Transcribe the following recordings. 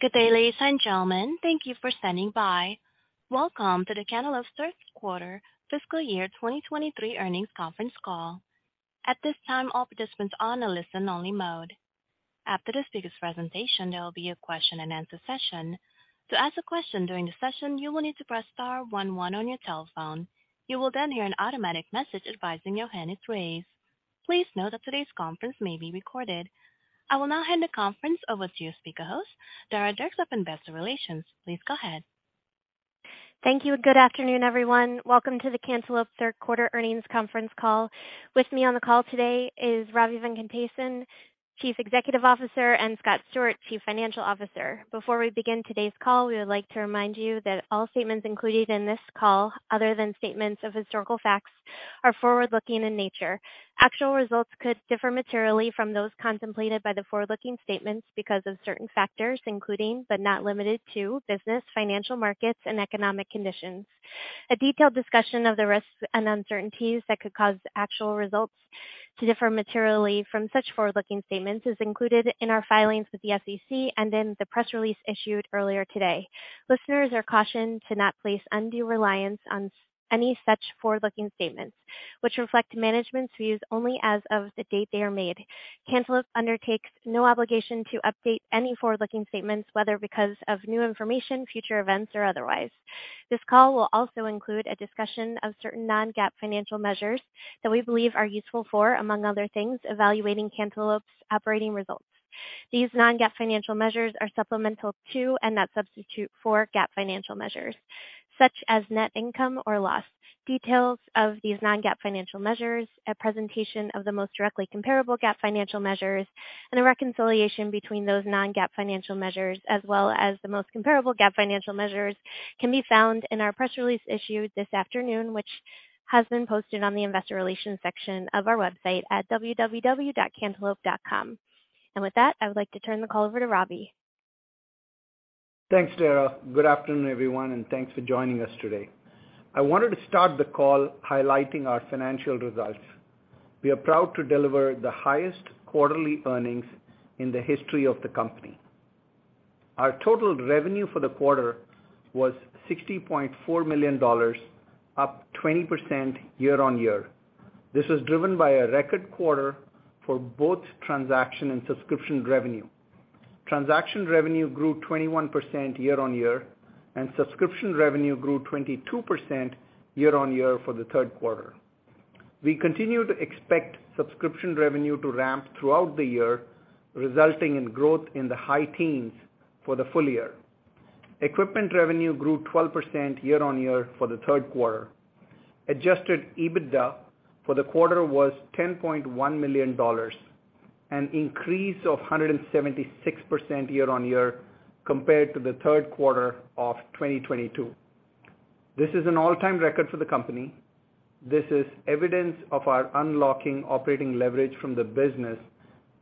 Good day, ladies and gentlemen. Thank you for standing by. Welcome to the Cantaloupe Q3 fiscal year 2023 earnings conference call. At this time, all participants are on a listen only mode. After the speaker's presentation, there will be a question-and-answer session. To ask a question during the session, you will need to press star 11 on your telephone. You will then hear an automatic message advising your hand is raised. Please note that today's conference may be recorded. I will now hand the conference over to your speaker host, Dara Dierks of Investor Relations. Please go ahead. Thank you and good afternoon, everyone. Welcome to the Cantaloupe Q3 earnings conference call. With me on the call today is Ravi Venkatesan, Chief Executive Officer, and Scott Stewart, Chief Financial Officer. Before we begin today's call, we would like to remind you that all statements included in this call, other than statements of historical facts, are forward-looking in nature. Actual results could differ materially from those contemplated by the forward-looking statements because of certain factors, including, but not limited to, business, financial, markets, and economic conditions. A detailed discussion of the risks and uncertainties that could cause actual results to differ materially from such forward-looking statements is included in our filings with the SEC and in the press release issued earlier today. Listeners are cautioned to not place undue reliance on any such forward-looking statements which reflect management's views only as of the date they are made. Cantaloupe undertakes no obligation to update any forward-looking statements, whether because of new information, future events, or otherwise. This call will also include a discussion of certain non-GAAP financial measures that we believe are useful for, among other things, evaluating Cantaloupe's operating results. These non-GAAP financial measures are supplemental to and not substitute for GAAP financial measures such as net income or loss. Details of these non-GAAP financial measures, a presentation of the most directly comparable GAAP financial measures, and a reconciliation between those non-GAAP financial measures, as well as the most comparable GAAP financial measures, can be found in our press release issued this afternoon, which has been posted on the investor relations section of our website at www.cantaloupe.com. With that, I would like to turn the call over to Ravi. Thanks, Dara. Good afternoon, everyone, thanks for joining us today. I wanted to start the call highlighting our financial results. We are proud to deliver the highest quarterly earnings in the history of the company. Our total revenue for the quarter was $60.4 million, up 20% year-over-year. This was driven by a record quarter for both transaction and subscription revenue. Transaction revenue grew 21% year-over-year, subscription revenue grew 22% year-over-year for the Q3. We continue to expect subscription revenue to ramp throughout the year, resulting in growth in the high teens for the full year. Equipment revenue grew 12% year-over-year for the Q3. Adjusted EBITDA for the quarter was $10.1 million, an increase of 176% year-on-year compared to the Q3 of 2022. This is an all-time record for the company. This is evidence of our unlocking operating leverage from the business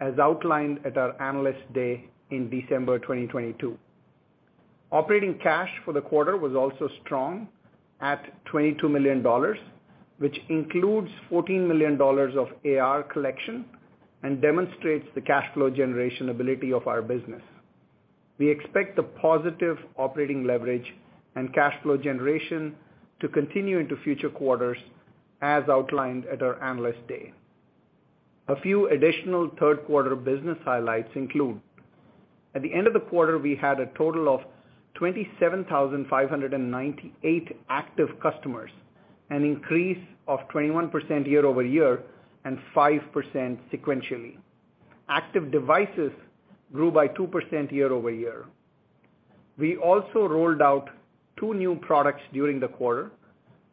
as outlined at our Analyst Day in December 2022. Operating cash for the quarter was also strong at $22 million, which includes $14 million of AR collection and demonstrates the cash flow generation ability of our business. We expect the positive operating leverage and cash flow generation to continue into future quarters as outlined at our Analyst Day. A few additional Q3 business highlights include at the end of the quarter, we had a total of 27,598 active customers, an increase of 21% year-over-year and 5% sequentially. Active devices grew by 2% year-over-year. We also rolled out two new products during the quarter,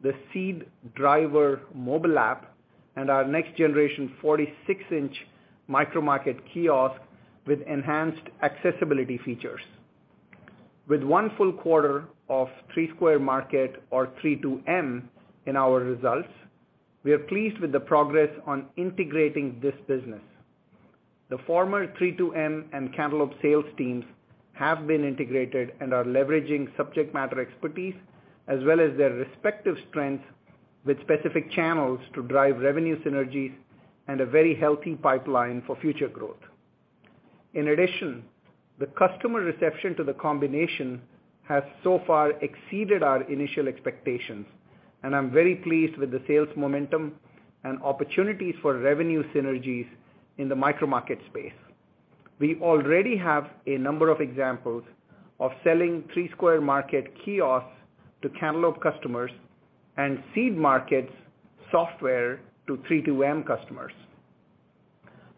the Seed Driver mobile app and our next generation 46-inch micromarket kiosk with enhanced accessibility features. With one full quarter of Three Square Market or 32M in our results, we are pleased with the progress on integrating this business. The former 32M and Cantaloupe sales teams have been integrated and are leveraging subject matter expertise as well as their respective strengths with specific channels to drive revenue synergies and a very healthy pipeline for future growth. In addition, the customer reception to the combination has so far exceeded our initial expectations, and I'm very pleased with the sales momentum and opportunities for revenue synergies in the micromarket space. We already have a number of examples of selling Three Square Market kiosks to Cantaloupe customers and Seed Markets software to 32M customers.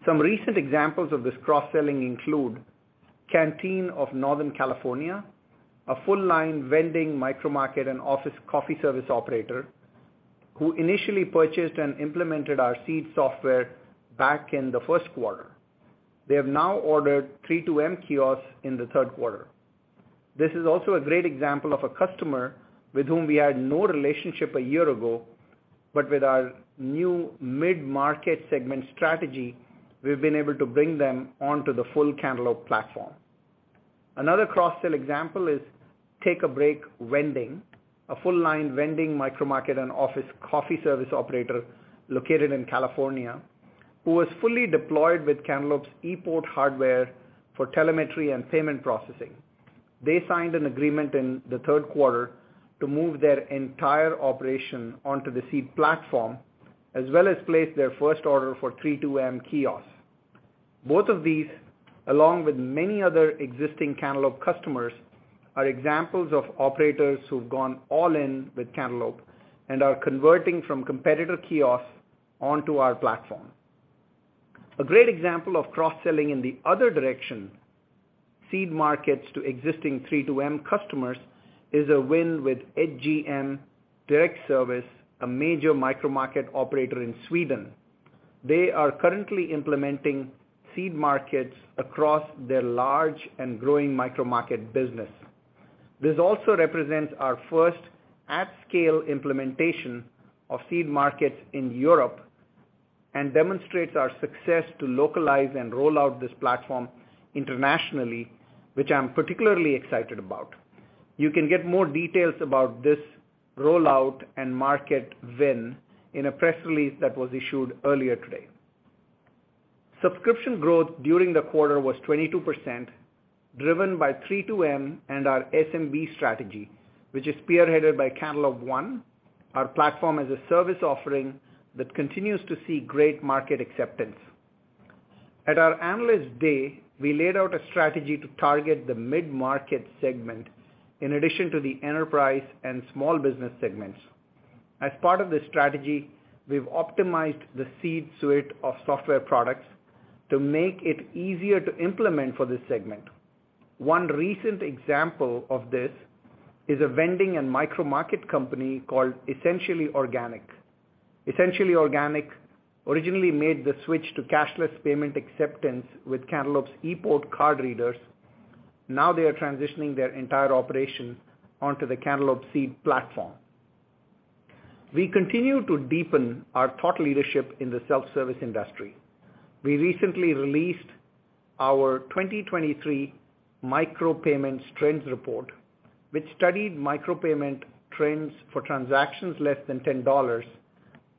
Some recent examples of this cross-selling include Canteen of Northern California, a full line vending micromarket and office coffee service operator, who initially purchased and implemented our Seed software back in the Q1. They have now ordered 32M kiosks in the Q3. This is also a great example of a customer with whom we had no relationship a year ago, but with our new mid-market segment strategy, we've been able to bring them onto the full Cantaloupe platform. Another cross-sell example is Take A Break Vending, a full line vending micromarket and office coffee service operator located in California, who is fully deployed with Cantaloupe's ePort hardware for telemetry and payment processing. They signed an agreement in the Q3 to move their entire operation onto the Seed platform, as well as place their first order for 32M kiosks. Both of these, along with many other existing Cantaloupe customers, are examples of operators who've gone all in with Cantaloupe and are converting from competitive kiosks onto our platform. A great example of cross-selling in the other direction, Seed Markets to existing 32M customers, is a win with Edge M Direct Service, a major micromarket operator in Sweden. They are currently implementing Seed Markets across their large and growing micromarket business. This also represents our first at-scale implementation of Seed Markets in Europe and demonstrates our success to localize and roll out this platform internationally, which I'm particularly excited about. You can get more details about this rollout and market win in a press release that was issued earlier today. Subscription growth during the quarter was 22%, driven by 32M and our SMB strategy, which is spearheaded by Cantaloupe ONE, our Platform as a Service offering that continues to see great market acceptance. At our Analyst Day, we laid out a strategy to target the mid-market segment in addition to the enterprise and small business segments. As part of this strategy, we've optimized the Seed suite of software products to make it easier to implement for this segment. One recent example of this is a vending and micromarket company called Essentially Organic. Essentially Organic originally made the switch to cashless payment acceptance with Cantaloupe's ePort card readers. Now they are transitioning their entire operation onto the Cantaloupe Seed platform. We continue to deepen our thought leadership in the self-service industry. We recently released our 2023 Micropayment Trends Report, which studied micropayment trends for transactions less than $10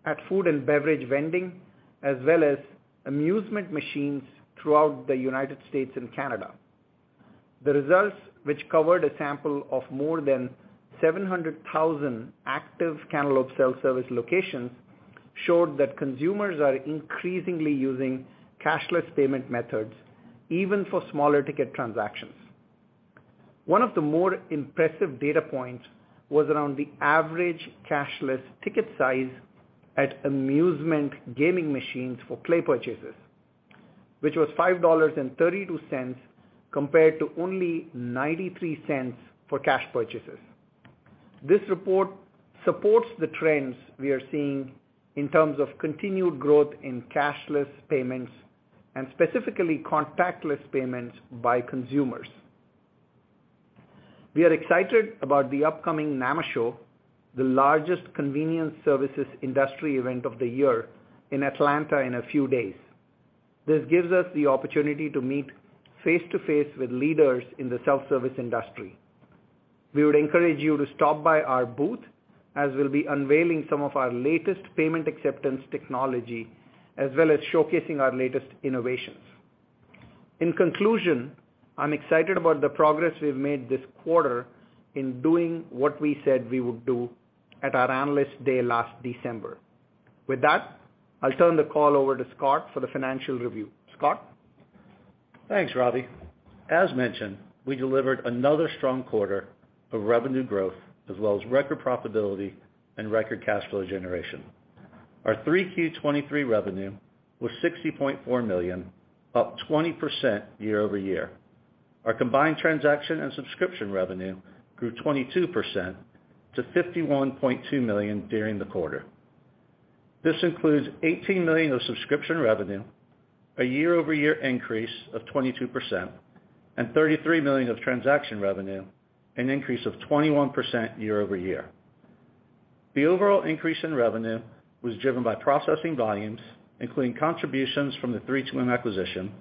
at food and beverage vending, as well as amusement machines throughout the United States and Canada. The results, which covered a sample of more than 700,000 active Cantaloupe self-service locations, showed that consumers are increasingly using cashless payment methods even for smaller ticket transactions. One of the more impressive data points was around the average cashless ticket size at amusement gaming machines for play purchases, which was $5.32, compared to only $0.93 for cash purchases. This report supports the trends we are seeing in terms of continued growth in cashless payments, and specifically contactless payments by consumers. We are excited about the upcoming NAMA Show, the largest convenience services industry event of the year in Atlanta in a few days. This gives us the opportunity to meet face-to-face with leaders in the self-service industry. We would encourage you to stop by our booth, as we'll be unveiling some of our latest payment acceptance technology, as well as showcasing our latest innovations. In conclusion, I'm excited about the progress we've made this quarter in doing what we said we would do at our Analyst Day last December. With that, I'll turn the call over to Scott for the financial review. Scott? Thanks, Ravi. As mentioned, we delivered another strong quarter of revenue growth as well as record profitability and record cash flow generation. Our 3Q23 revenue was $60.4 million, up 20% year-over-year. Our combined transaction and subscription revenue grew 22% to $51.2 million during the quarter. This includes $18 million of subscription revenue, a year-over-year increase of 22%, and $33 million of transaction revenue, an increase of 21% year-over-year. The overall increase in revenue was driven by processing volumes, including contributions from the 32M acquisition,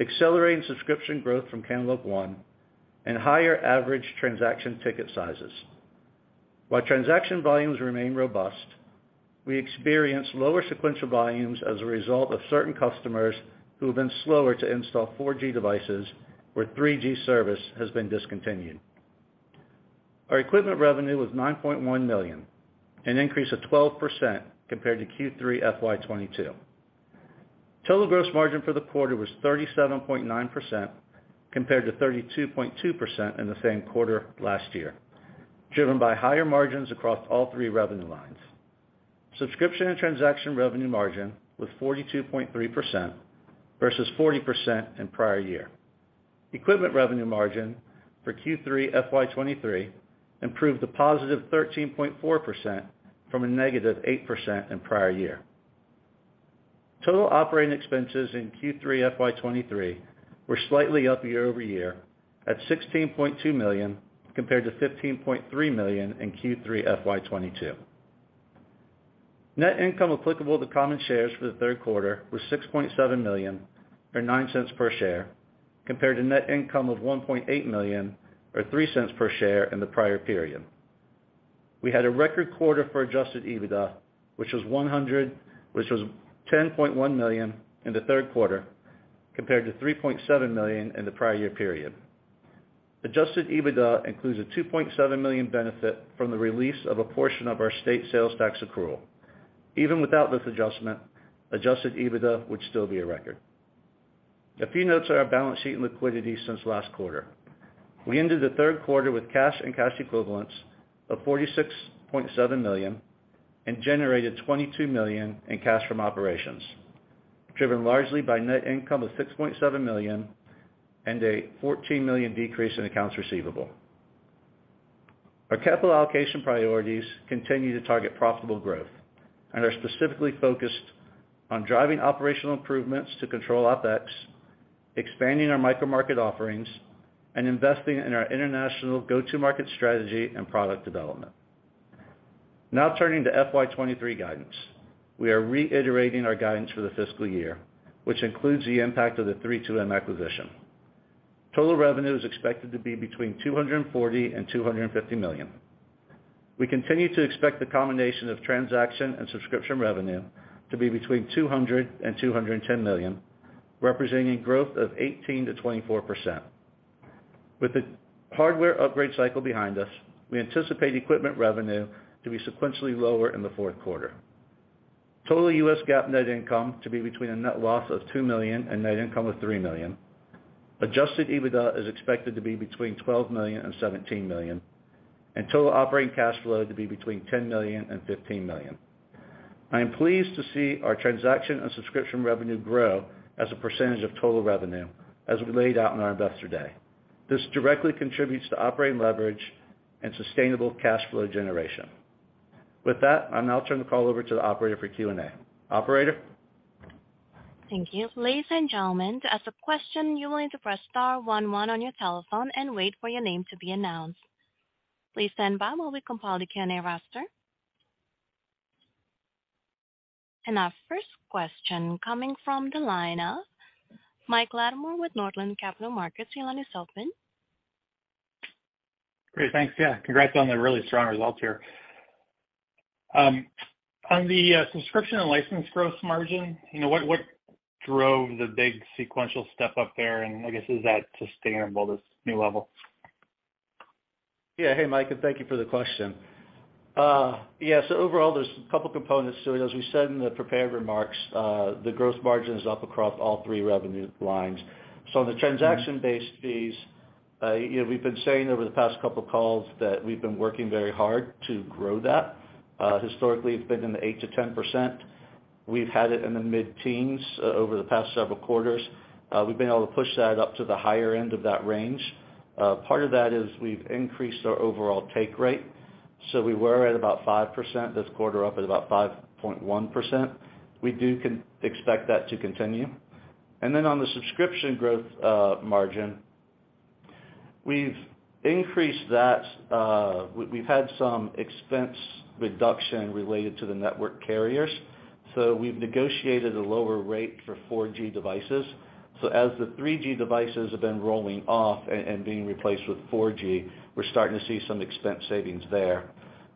accelerating subscription growth from Cantaloupe ONE, and higher average transaction ticket sizes. While transaction volumes remain robust, we experienced lower sequential volumes as a result of certain customers who have been slower to install 4G devices where 3G service has been discontinued. Our equipment revenue was $9.1 million, an increase of 12% compared to Q3 FY22. Total gross margin for the quarter was 37.9% compared to 32.2% in the same quarter last year, driven by higher margins across all three revenue lines. Subscription and transaction revenue margin was 42.3% versus 40% in prior year. Equipment revenue margin for Q3 FY23 improved to positive 13.4% from a negative 8% in prior year. Total operating expenses in Q3 FY23 were slightly up year-over-year at $16.2 million compared to $15.3 million in Q3 FY22. Net income applicable to common shares for the Q3 was $6.7 million or $0.09 per share compared to net income of $1.8 million or $0.03 per share in the prior period. We had a record quarter for Adjusted EBITDA, which was $10.1 million in the Q3, compared to $3.7 million in the prior year period. Adjusted EBITDA includes a $2.7 million benefit from the release of a portion of our state sales tax accrual. Even without this adjustment, Adjusted EBITDA would still be a record. A few notes on our balance sheet and liquidity since last quarter. We ended the Q3 with cash and cash equivalents of $46.7 million, generated $22 million in cash from operations, driven largely by net income of $6.7 million and a $14 million decrease in accounts receivable. Our capital allocation priorities continue to target profitable growth and are specifically focused on driving operational improvements to control OpEx, expanding our micro market offerings, and investing in our international go-to-market strategy and product development. Turning to FY23 guidance. We are reiterating our guidance for the fiscal year, which includes the impact of the 32M acquisition. Total revenue is expected to be between $240 million and $250 million. We continue to expect the combination of transaction and subscription revenue to be between $200 million and $210 million, representing growth of 18%-24%. With the hardware upgrade cycle behind us, we anticipate equipment revenue to be sequentially lower in the Q4. Total U.S. GAAP net income to be between a net loss of $2 million and net income of $3 million. Adjusted EBITDA is expected to be between $12 million and $17 million, and total operating cash flow to be between $10 million and $15 million. I am pleased to see our transaction and subscription revenue grow as a percentage of total revenue as we laid out in our Investor Day. This directly contributes to operating leverage and sustainable cash flow generation. With that, I'll now turn the call over to the operator for Q&A. Operator? Thank you. Ladies and gentlemen, to ask a question, you will need to press star one one on your telephone and wait for your name to be announced. Please stand by while we compile the Q&A roster. Our first question coming from the line of Mike Latimore with Northland Capital Markets. Your line is open. Great. Thanks. Congrats on the really strong results here. On the subscription and license gross margin, you know, what drove the big sequential step up there? I guess, is that sustainable, this new level? Yeah. Hey, Mike, thank you for the question. Overall, there's a couple components to it. As we said in the prepared remarks, the gross margin is up across all three revenue lines. On the transaction-based fees, you know, we've been saying over the past couple of calls that we've been working very hard to grow that. Historically, it's been in the 8%-10%. We've had it in the mid-teens over the past several quarters. We've been able to push that up to the higher end of that range. Part of that is we've increased our overall take rate. We were at about 5% this quarter, up at about 5.1%. We do expect that to continue. On the subscription growth margin, we've increased that. We've had some expense reduction related to the network carriers. We've negotiated a lower rate for 4G devices. As the 3G devices have been rolling off and being replaced with 4G, we're starting to see some expense savings there.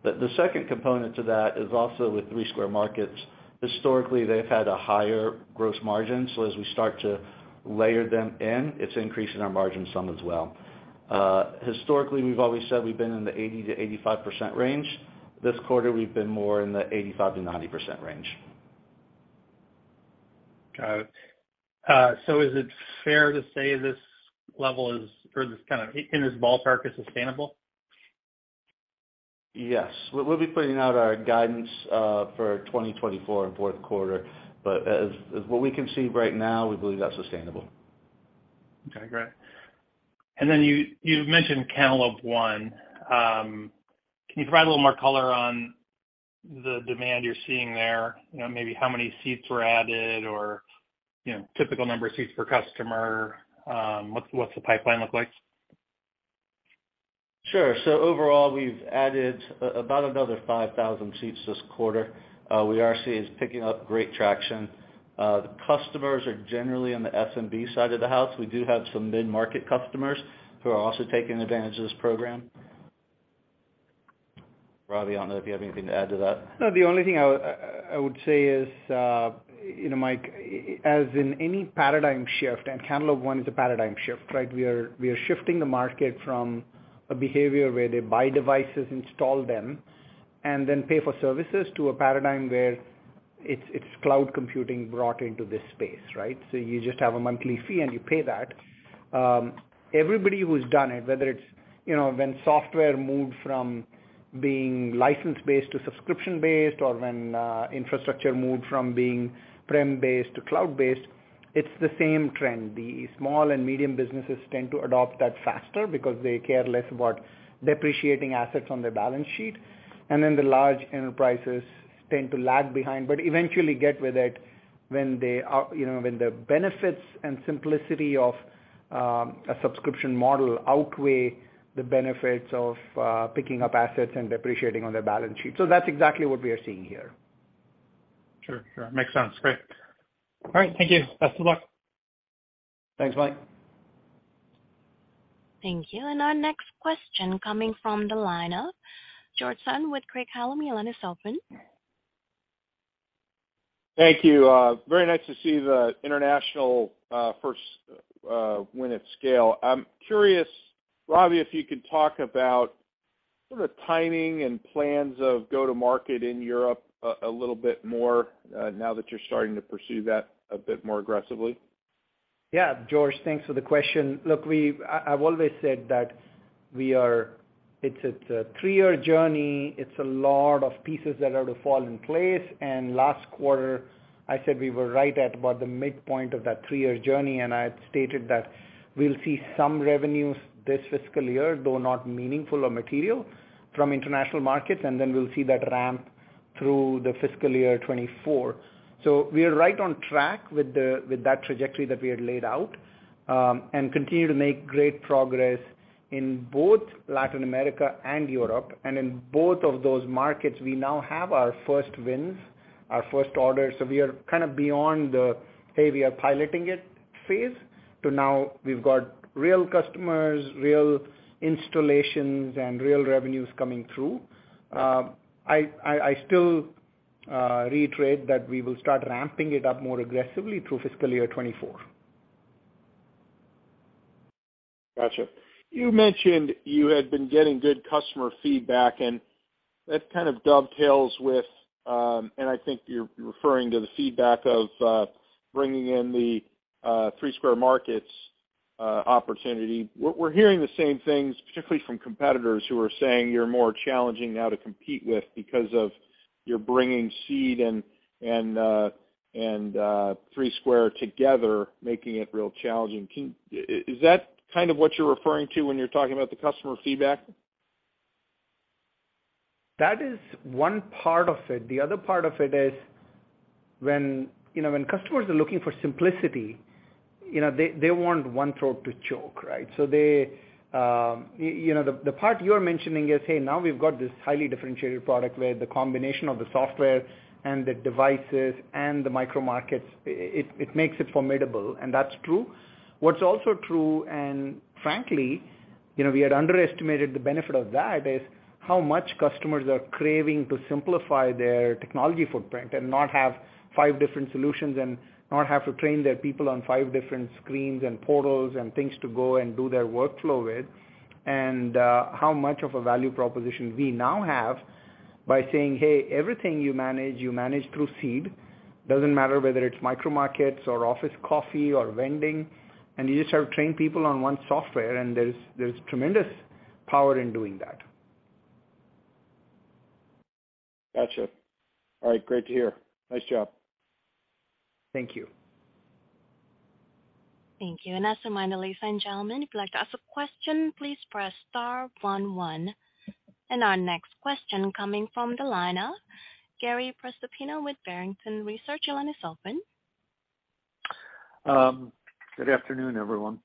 The second component to that is also with Three Square Markets. Historically, they've had a higher gross margin, as we start to layer them in, it's increasing our margin some as well. Historically, we've always said we've been in the 80%-85% range. This quarter, we've been more in the 85%-90% range. Got it. Is it fair to say this level is, or this in this ballpark is sustainable? Yes. We'll be putting out our guidance for 2024 in Q4, but as what we can see right now, we believe that's sustainable. Okay, great. Then you've mentioned Cantaloupe ONE. Can you provide a little more color on the demand you're seeing there? You know, maybe how many seats were added or, you know, typical number of seats per customer? What's the pipeline look like? Overall, we've added about another 5,000 seats this quarter. We are seeing it's picking up great traction. The customers are generally on the SMB side of the house. We do have some mid-market customers who are also taking advantage of this program. Ravi, I don't know if you have anything to add to that? No, the only thing I would say is, you know, Mike, as in any paradigm shift, and Cantaloupe ONE is a paradigm shift, right? We are shifting the market from a behavior where they buy devices, install them, and then pay for services to a paradigm where it's cloud computing brought into this space, right? You just have a monthly fee and you pay that. Everybody who's done it, whether it's, you know, when software moved from being license-based to subscription-based or when infrastructure moved from being prem-based to cloud-based, it's the same trend. The small and medium businesses tend to adopt that faster because they care less about depreciating assets on their balance sheet. The large enterprises tend to lag behind, but eventually get with it when they are, you know, when the benefits and simplicity of a subscription model outweigh the benefits of picking up assets and depreciating on their balance sheet. That's exactly what we are seeing here. Sure. Sure. Makes sense. Great. All right. Thank you. Best of luck. Thanks, Mike. Thank you. Our next question coming from the line of George Sutton with Craig-Hallum. Your line is open. Thank you. Very nice to see the international, first, win at scale. I'm curious, Ravi, if you could talk about sort of timing and plans of go-to-market in Europe a little bit more, now that you're starting to pursue that a bit more aggressively. Yeah, George Sutton, thanks for the question. Look, I've always said that it's a three-year journey. It's a lot of pieces that are to fall in place. Last quarter, I said we were right at about the midpoint of that three-year journey, and I had stated that we'll see some revenues this fiscal year, though not meaningful or material, from international markets, and then we'll see that ramp through the fiscal year 2024. We are right on track with that trajectory that we had laid out, and continue to make great progress in both Latin America and Europe. In both of those markets, we now have our first wins, our first orders. We are kind of beyond the, "Hey, we are piloting it," phase to now we've got real customers, real installations, and real revenues coming through. I still reiterate that we will start ramping it up more aggressively through fiscal year 2024. Gotcha. You mentioned you had been getting good customer feedback, and that kind of dovetails with, and I think you're referring to the feedback of bringing in the Three Square Market opportunity. We're hearing the same things, particularly from competitors who are saying you're more challenging now to compete with because of you're bringing Seed and Three Square together, making it real challenging. Is that kind of what you're referring to when you're talking about the customer feedback? That is one part of it. The other part of it is when, you know, when customers are looking for simplicity, you know, they want one throat to choke, right? They, you know, the part you're mentioning is, hey, now we've got this highly differentiated product where the combination of the software and the devices and the micromarkets, it makes it formidable, and that's true. What's also true, and frankly, you know, we had underestimated the benefit of that, is how much customers are craving to simplify their technology footprint and not have five different solutions and not have to train their people on five different screens and portals and things to go and do their workflow with. How much of a value proposition we now have by saying, "Hey, everything you manage, you manage through Seed. Doesn't matter whether it's micromarkets or office coffee or vending, and you just have trained people on one software," and there's tremendous power in doing that. Gotcha. All right, great to hear. Nice job. Thank you. Thank you. As a reminder, ladies and gentlemen, if you'd like to ask a question, please press star one one. Our next question coming from the line of Gary Prestopino with Barrington Research. Your line is open. Good afternoon, everyone.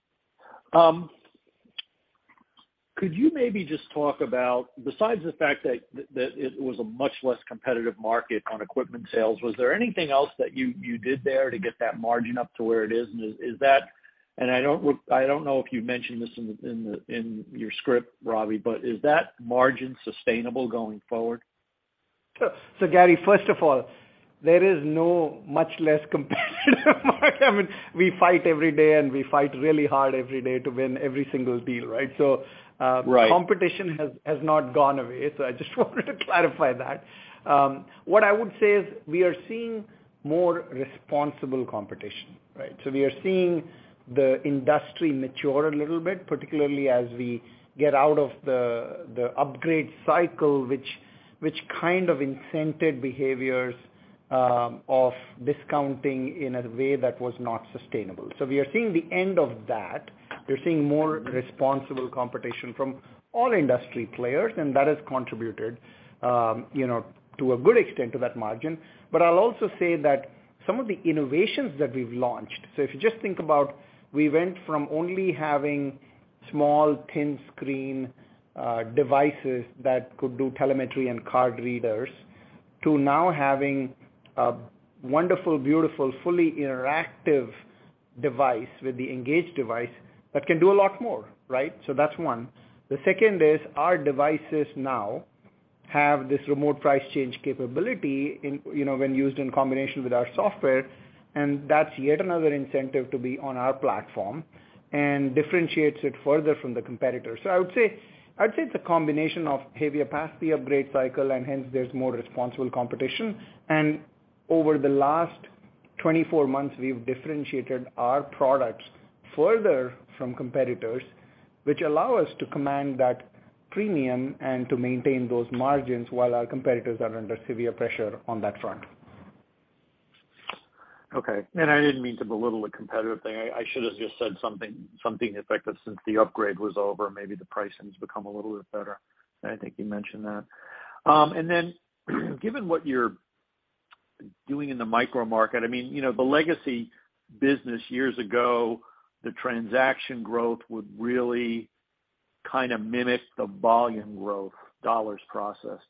Could you maybe just talk about, besides the fact that it was a much less competitive market on equipment sales, was there anything else that you did there to get that margin up to where it is? Is that, I don't know if you mentioned this in the, in your script, Ravi, but is that margin sustainable going forward? Gary, first of all, there is no much less competitive market. I mean, we fight every day, and we fight really hard every day to win every single deal, right? Right. The competition has not gone away, I just wanted to clarify that. What I would say is we are seeing more responsible competition, right? We are seeing the industry mature a little bit, particularly as we get out of the upgrade cycle, which kind of incented behaviors of discounting in a way that was not sustainable. We are seeing the end of that. We're seeing more responsible competition from all industry players, and that has contributed, you know, to a good extent to that margin. I'll also say that some of the innovations that we've launched. If you just think about, we went from only having small 10-screen devices that could do telemetry and card readers, to now having a wonderful, beautiful, fully interactive device with the Engage device that can do a lot more, right? That's one. The second is our devices now have this remote price change capability in, you know, when used in combination with our software, and that's yet another incentive to be on our platform and differentiates it further from the competitor. I'd say it's a combination of heavier past the upgrade cycle, and hence there's more responsible competition. Over the last 24 months, we've differentiated our products further from competitors, which allow us to command that premium and to maintain those margins while our competitors are under severe pressure on that front. Okay. I didn't mean to belittle the competitive thing. I should have just said something effective since the upgrade was over, maybe the pricing's become a little bit better. I think you mentioned that. Given what you're doing in the micromarket, I mean, you know, the legacy business years ago, the transaction growth would really kind of mimic the volume growth dollars processed.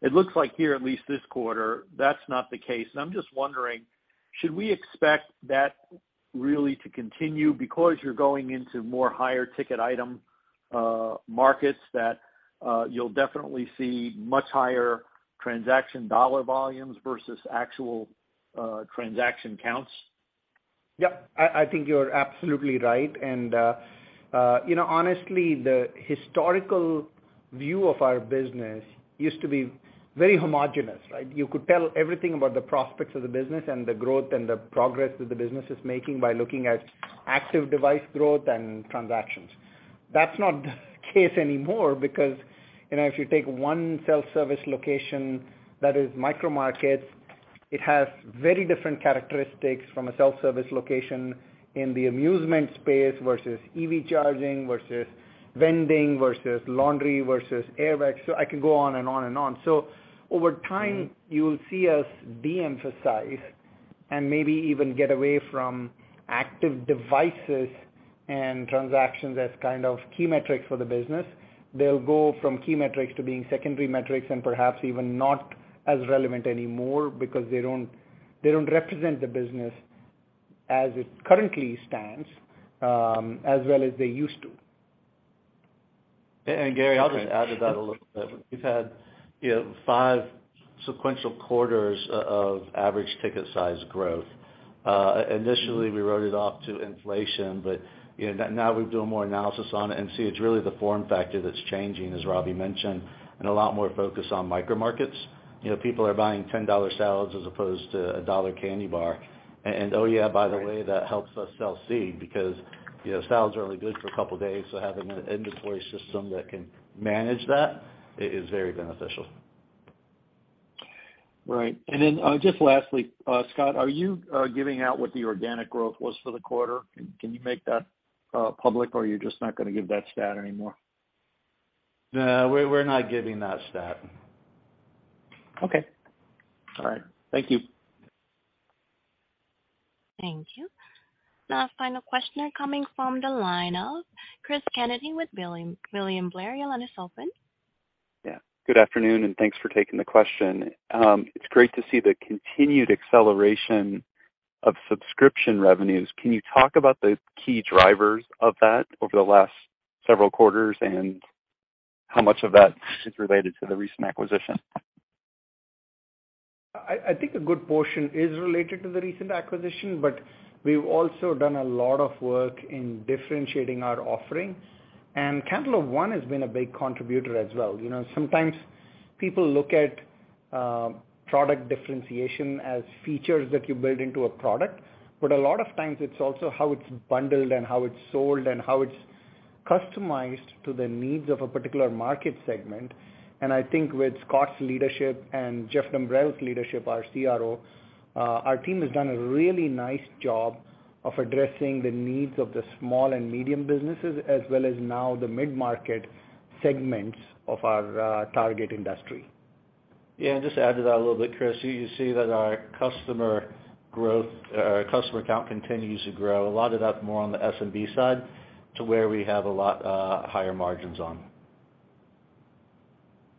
It looks like here, at least this quarter, that's not the case. I'm just wondering, should we expect that really to continue because you're going into more higher ticket item markets that you'll definitely see much higher transaction dollar volumes versus actual transaction counts? Yep, I think you're absolutely right. You know, honestly, the historical view of our business used to be very homogeneous, right? You could tell everything about the prospects of the business and the growth and the progress that the business is making by looking at active device growth and transactions. That's not the case anymore because, you know, if you take one self-service location that is micromarket, it has very different characteristics from a self-service location in the amusement space versus EV charging, versus vending, versus laundry, versus AirWatch. I can go on and on and on. Over time, you'll see us de-emphasize and maybe even get away from active devices and transactions as kind of key metrics for the business. They'll go from key metrics to being secondary metrics and perhaps even not as relevant anymore because they don't represent the business as it currently stands, as well as they used to. Gary, I'll just add to that a little bit. We've had, you know, five sequential quarters of average ticket size growth. Initially we wrote it off to inflation, but, you know, now we're doing more analysis on it and see it's really the form factor that's changing, as Ravi mentioned, and a lot more focus on micro markets. You know, people are buying $10 salads as opposed to a $1 candy bar. Oh, yeah, by the way, that helps us sell C because, you know, salads are only good for a couple of days, so having an inventory system that can manage that is very beneficial. Right. Just lastly, Scott, are you giving out what the organic growth was for the quarter? Can you make that public or you're just not gonna give that stat anymore? No, we're not giving that stat. Okay. All right. Thank you. Thank you. Final question coming from the line of Cristopher Kennedy with William Blair. Your line is open. Yeah. Good afternoon. Thanks for taking the question. It's great to see the continued acceleration of subscription revenues. Can you talk about the key drivers of that over the last several quarters and how much of that is related to the recent acquisition? I think a good portion is related to the recent acquisition, but we've also done a lot of work in differentiating our offerings. Cantaloupe ONE has been a big contributor as well. You know, sometimes people look at product differentiation as features that you build into a product, but a lot of times it's also how it's bundled and how it's sold and how it's customized to the needs of a particular market segment. I think with Scott's leadership and Jeff Dumbrell's leadership, our CRO, our team has done a really nice job of addressing the needs of the small and medium businesses as well as now the mid-market segments of our target industry. Yeah, just to add to that a little bit, Cris, you can see that our customer growth or customer count continues to grow. A lot of that more on the SMB side to where we have a lot, higher margins on.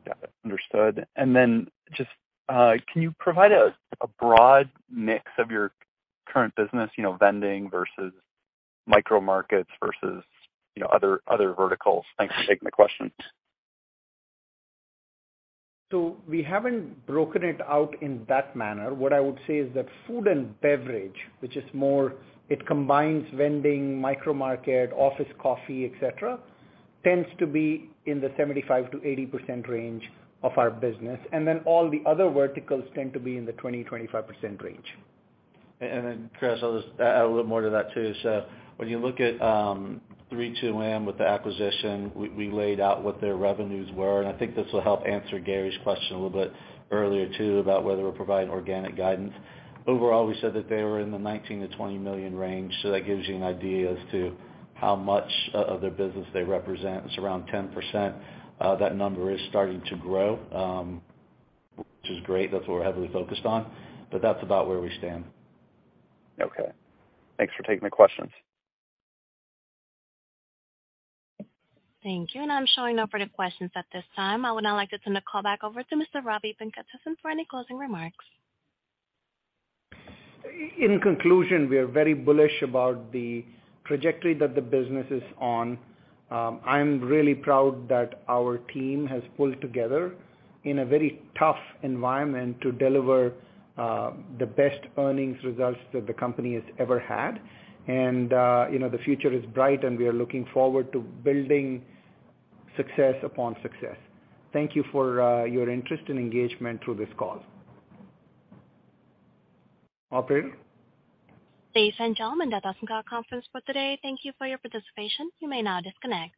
Got it. Understood. Then just, can you provide a broad mix of your current business, you know, vending versus micro markets versus, you know, other verticals? Thanks for taking the questions. We haven't broken it out in that manner. What I would say is that food and beverage, which is more, it combines vending, micromarket, office coffee, et cetera, tends to be in the 75%-80% range of our business. All the other verticals tend to be in the 20%-25% range. Chris, I'll just add a little more to that too. When you look at 32M with the acquisition, we laid out what their revenues were, and I think this will help answer Gary's question a little bit earlier too about whether we're providing organic guidance. Overall, we said that they were in the $19 million-$20 million range. That gives you an idea as to how much of their business they represent. It's around 10%. That number is starting to grow, which is great. That's what we're heavily focused on, but that's about where we stand. Okay. Thanks for taking the questions. Thank you. I'm showing no further questions at this time. I would now like to turn the call back over to Mr. Ravi Venkatesan for any closing remarks. In conclusion, we are very bullish about the trajectory that the business is on. I'm really proud that our team has pulled together in a very tough environment to deliver the best earnings results that the company has ever had. You know, the future is bright, and we are looking forward to building success upon success. Thank you for your interest and engagement through this call. Operator? Ladies and gentlemen, that does end our conference for today. Thank you for your participation. You may now disconnect.